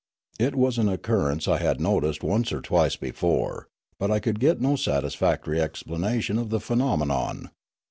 It was an occurrence I had noticed once or twice before, but I could get no satisfactory explana tion of the phenomenon.